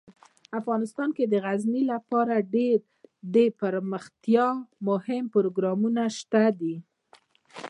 افغانستان کې د غزني لپاره ډیر دپرمختیا مهم پروګرامونه شته دي.